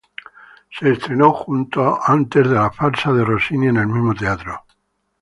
Se estrenó justo antes de la farsa de Rossini en el mismo teatro.